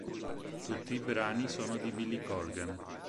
Tutti i brani sono di Billy Corgan.